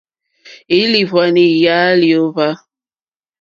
Élìhwwànì já lyǒhwá.